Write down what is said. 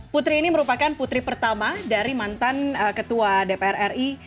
putri ini merupakan putri pertama dari mantan ketua dpr ri